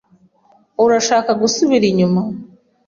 Urashaka gusubira inyuma?